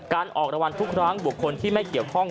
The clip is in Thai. ออกรางวัลทุกครั้งบุคคลที่ไม่เกี่ยวข้อง